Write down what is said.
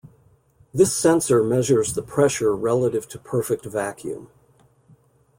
This sensor measures the pressure relative to perfect vacuum.